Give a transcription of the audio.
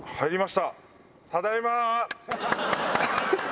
ただいま！